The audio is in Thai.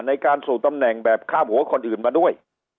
ในการสู่ตำแหน่งแบบข้ามหัวคนอื่นมาด้วย